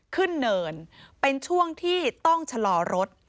เนินเป็นช่วงที่ต้องชะลอรถ